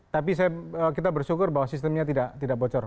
tapi kita bersyukur bahwa sistemnya tidak bocor